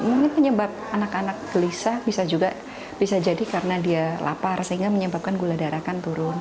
ini menyebabkan anak anak gelisah bisa jadi karena dia lapar sehingga menyebabkan gula darahnya turun